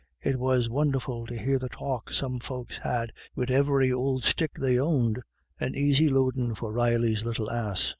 It was won' erful to hear the talk some folks had, wid every ould stick they owned an aisy loodin' for Reilly's little ass.